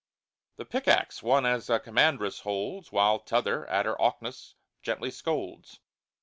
The pick axe one as a commandress holds, While t'other at her awk'ness gently scolds.